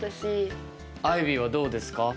アイビーはどうですか？